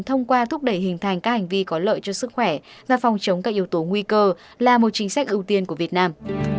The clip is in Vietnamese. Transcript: thông qua thúc đẩy hình thành các hành vi có lợi cho sức khỏe và phòng chống các yếu tố nguy cơ là một chính sách ưu tiên của việt nam